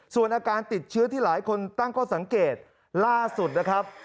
ส่วนอาการติดเชื้อที่หลายคนตั้งข้อสังเกตล่าสุดนะครับ